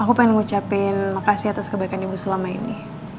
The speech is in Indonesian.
aku pengen ngucapin makasih atas kebaikan ibu selama ini